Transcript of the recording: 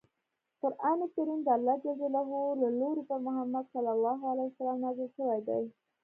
قران کریم د الله ج له لورې په محمد ص نازل شوی دی.